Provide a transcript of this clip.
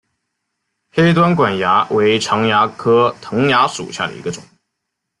黑端管蚜为常蚜科藤蚜属下的一个种。